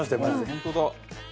本当だ。